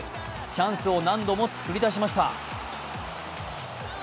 チャンスを何度も作り出しました。